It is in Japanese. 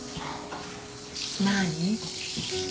何？